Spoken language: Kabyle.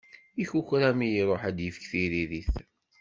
Ikukra mi iruḥ ad d-yefk tiririt.